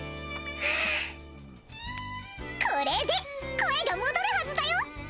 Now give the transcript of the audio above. はあこれで声がもどるはずだよ！